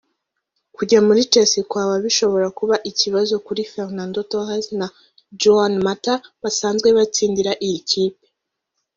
Kujya muri Chelsea kwa Ba bishobora kuba ikibazo kuri Fernando Torres na Juan Mata basanzwe batsindira iyi kipe